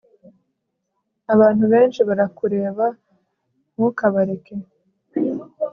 abantu benshi barakureba ntukabareke